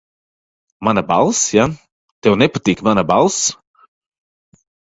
Mana balss, ja? Tev nepatīk mana balss.